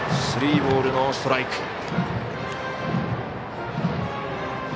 スリーボール、ワンストライク。